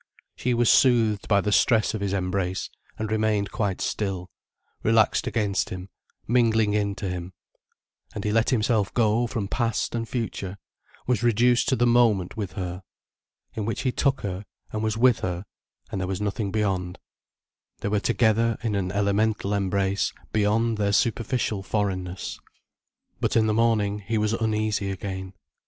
She was soothed by the stress of his embrace, and remained quite still, relaxed against him, mingling in to him. And he let himself go from past and future, was reduced to the moment with her. In which he took her and was with her and there was nothing beyond, they were together in an elemental embrace beyond their superficial foreignness. But in the morning he was uneasy again.